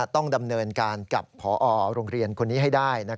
ต้องดำเนินการกับพอโรงเรียนคนนี้ให้ได้